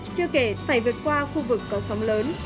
chưa kể phải vượt qua khu vực có sóng lớn